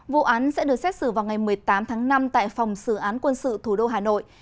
vụ án sẽ được xét xử vào ngày một mươi tám tháng năm tại phòng xử án quân sự thủ đô hà nội